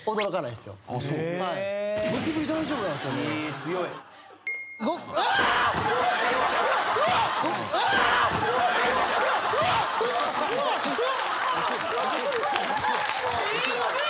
すごい。